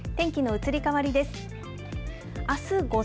天気の移り変わりです。